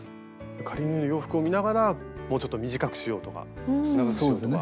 仮縫いの洋服を見ながらもうちょっと短くしようとか長くしようとか。